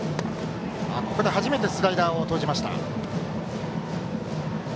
初めてスライダーを投じました。